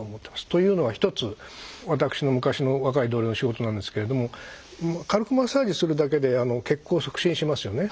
というのは一つ私の昔の若い同僚の仕事なんですけれども軽くマッサージするだけで血行促進しますよね。